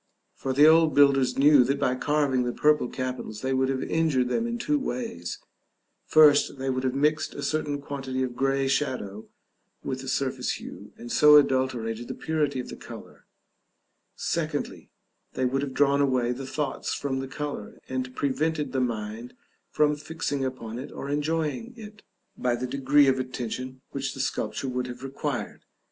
For the old builders knew that by carving the purple capitals they would have injured them in two ways: first, they would have mixed a certain quantity of grey shadow with the surface hue, and so adulterated the purity of the color; secondly, they would have drawn away the thoughts from the color, and prevented the mind from fixing upon it or enjoying it, by the degree of attention which the sculpture would have required.